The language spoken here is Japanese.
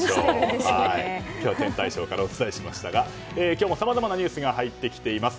今日は天体ショーからお伝えしましたが今日もさまざまなニュースが入ってきています。